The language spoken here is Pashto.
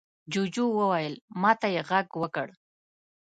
جوجو وويل: ما ته يې غږ وکړ.